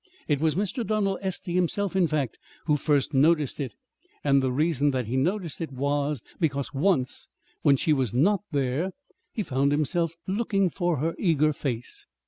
It was Mr. Donald Estey himself, in fact, who first noticed it; and the reason that he noticed it was because once, when she was not there, he found himself looking for her eager face.